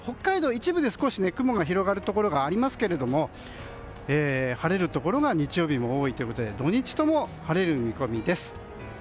一部で少し雲の広がるところがありますが晴れるところが日曜日も多いということで土日とも晴れる見込みです。